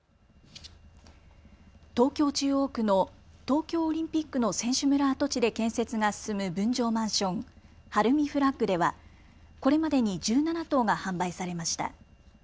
東京中央区の東京オリンピックの選手村跡地で建設が進む分譲マンション、晴海フラッグではこれまでに１７棟が販売されました。